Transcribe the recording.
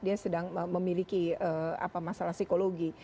dia sedang memiliki masalah psikologi